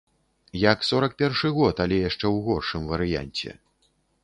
Як сорак першы год, але яшчэ ў горшым варыянце.